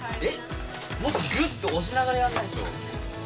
もっとぎゅっと押しながらやんないと。